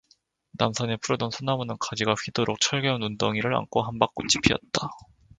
남산의 푸르던 소나무는 가지가 휘도록 철겨운 눈덩이를 안고 함박꽃이 피었다